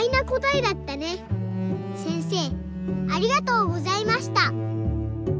せんせいありがとうございました。